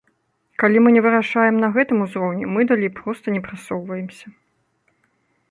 Калі мы не вырашаем на гэтым узроўні, мы далей проста не прасоўваемся.